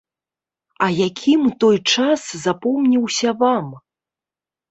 А якім той час запомніўся вам?